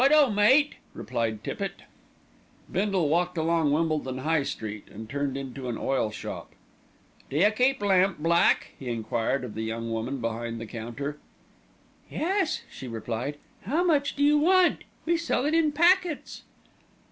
"Right o! mate," replied Tippitt. Bindle walked along Wimbledon High Street and turned into an oil shop. "D'you keep lamp black?" he enquired of the young woman behind the counter. "Yes," she replied. "How much do you want, we sell it in packets?"